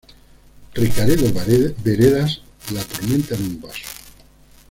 Recaredo Veredas- La tormenta en un vaso.